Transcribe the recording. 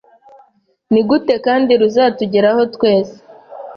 ni gute kandi ruzatugeraho twese